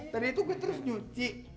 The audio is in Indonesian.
ternyata gue terus nyuci